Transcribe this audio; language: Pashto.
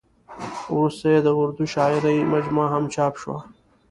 ورسته یې د اردو شاعرۍ مجموعه هم چاپ شوه.